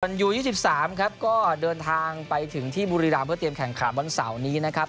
จนอยู่๒๓ก็เดินทางไปถึงที่บุรีราณเพื่อเตรียมแข่งขาวนาสว์นี้นะครับ